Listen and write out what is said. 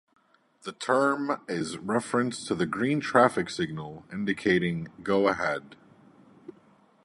The term is a reference to the green traffic signal, indicating "go ahead".